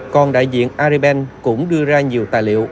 còn đại diện aribank cũng đưa ra nhiều tài liệu